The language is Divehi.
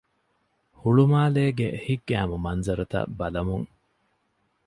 ހުޅުމާލޭގެ ހިތްގައިމު މަންޒަރުތައް ބަލަމުން